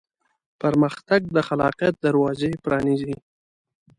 پرمختګ د خلاقیت دروازې پرانیزي.